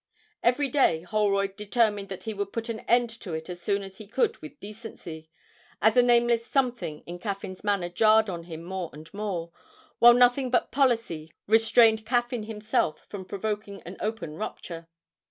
Every day Holroyd determined that he would put an end to it as soon as he could with decency, as a nameless something in Caffyn's manner jarred on him more and more, while nothing but policy restrained Caffyn himself from provoking an open rupture.